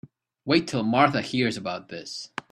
Wait till Martha hears about this.